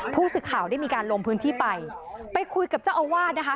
ผู้สื่อข่าวได้มีการลงพื้นที่ไปไปคุยกับเจ้าอาวาสนะคะ